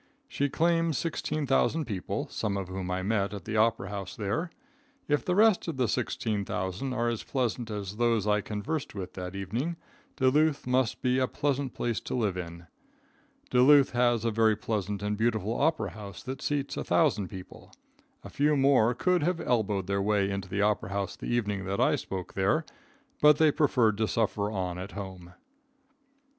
She claims 16,000 people, some of whom I met at the opera house there. If the rest of the 16,000 are as pleasant as those I conversed with that evening, Duluth must be a pleasant place to live in. Duluth has a very pleasant and beautiful opera house that seats 1,000 people. A few more could have elbowed their way into the opera house the evening that I spoke there, but they preferred to suffer on at home.